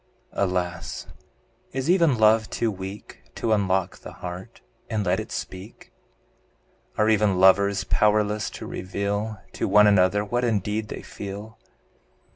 Alas! is even love too weak To unlock the heart, and let it speak? Are even lovers powerless to reveal To one another what indeed they feel?